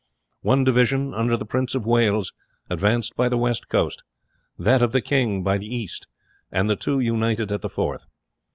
One division, under the Prince of Wales, advanced by the west coast; that of the king, by the east; and the two united at the Forth.